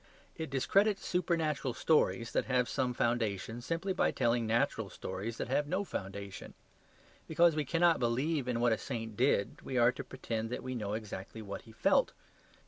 It discredits supernatural stories that have some foundation, simply by telling natural stories that have no foundation. Because we cannot believe in what a saint did, we are to pretend that we know exactly what he felt.